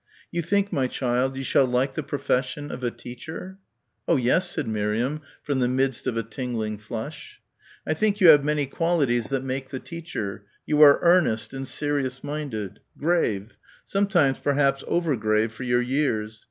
"You think, my child, you shall like the profession of a teacher?" "Oh yes," said Miriam, from the midst of a tingling flush. "I think you have many qualities that make the teacher.... You are earnest and serious minded.... Grave.... Sometimes perhaps overgrave for your years....